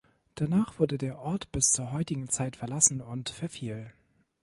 Danach wurde der Ort bis zur heutigen Zeit verlassen und verfiel.